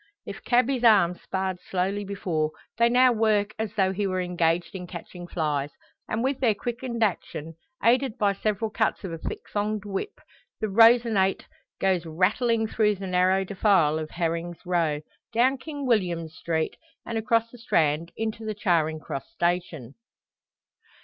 If cabby's arms sparred slowly before, they now work as though he were engaged in catching flies; and with their quickened action, aided by several cuts of a thick thonged whip, the Rosinante goes rattling through the narrow defile of Heming's Row, down King William Street, and across the Strand into the Charing Cross station.